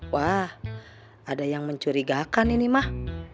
wah ada yang mencurigakan ini mah